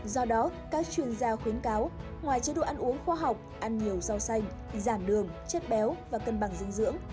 do đó các chuyên gia khuyến cáo ngoài chế độ ăn uống khoa học ăn nhiều rau xanh giản đường chất béo và cân bằng dinh dưỡng